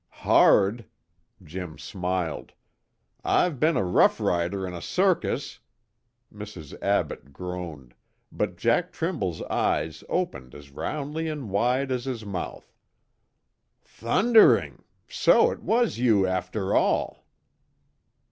"Hard?" Jim smiled. "I've been a rough rider in a circus " Mrs. Abbott groaned, but Jack Trimble's eyes opened as roundly and wide as his mouth. "Thundering So it was you after all!"